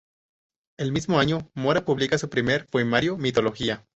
El mismo año, Mora publica su primer poemario, Mitología.